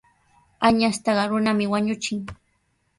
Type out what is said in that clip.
Añastaqa runami wañuchin.